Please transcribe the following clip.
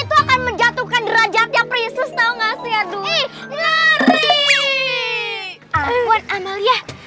itu akan menjatuhkan derajatnya priscus tahu nggak sih aduh